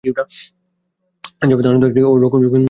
জাভেদ আনন্দ একটি রক্ষণশীল মুসলিম পরিবারে জন্মগ্রহণ করেন।